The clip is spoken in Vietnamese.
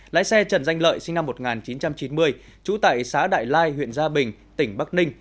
lái xe trần danh lợi sinh năm một nghìn chín trăm chín mươi trú tại xã đại lai huyện gia bình tỉnh bắc ninh